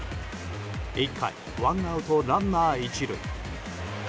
１回ワンアウト、ランナー１塁。